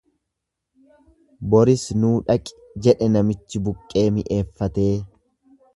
Boris nuu dhaqi jedhe namichi buqqee mi'eeffatee.